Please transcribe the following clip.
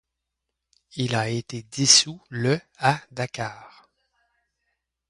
Il a été dissous le à Dakar.